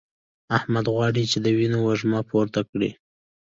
احمد غواړي چې د وينو وږم پورته کړي.